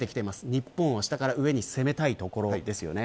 日本は下から上に攻めたいところです。